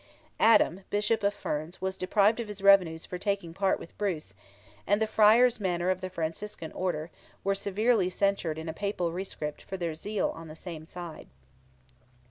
Adam, Bishop of Ferns, was deprived of his revenues for taking part with Bruce, and the Friars Minor of the Franciscan order, were severely censured in a Papal rescript for their zeal on the same side.